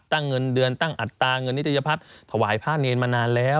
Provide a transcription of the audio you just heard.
ตั้งเงินเดือนตั้งอัตตาเงินนิจจัยภาพถวายภาคเนียนมานานแล้ว